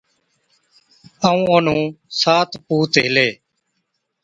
ائُون اونهُون سات پُوت هِلي۔